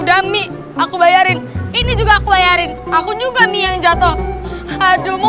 aku bayarin ini juga aku bayarin aku juga yang jatoh aduh mau